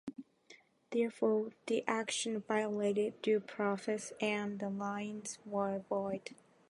Therefore, the action violated Due Process, and the liens were void.